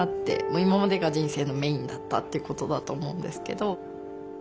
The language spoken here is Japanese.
今までが人生のメインだったってことだと思うんですけど。